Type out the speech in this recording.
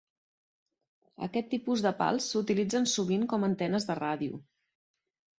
Aquest tipus de pals s'utilitzen sovint com a antenes de ràdio.